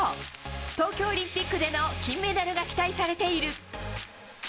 東京オリンピックでの金メダルが期待されている。